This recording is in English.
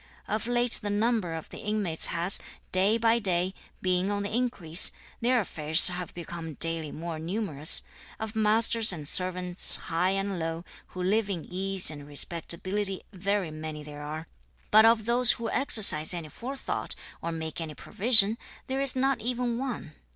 Of late the number of the inmates has, day by day, been on the increase; their affairs have become daily more numerous; of masters and servants, high and low, who live in ease and respectability very many there are; but of those who exercise any forethought, or make any provision, there is not even one.